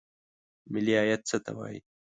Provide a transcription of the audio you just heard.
ملي عاید څه ته وایي؟